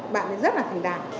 bạn ấy rất là thành đạt